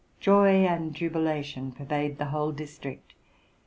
Joy and jubilation pervade a whole district.